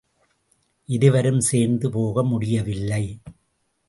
இருவரும் சேர்ந்து போக முடியவில்லை.